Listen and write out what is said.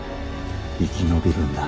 生き延びるんだ。